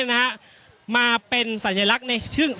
อย่างที่บอกไปว่าเรายังยึดในเรื่องของข้อ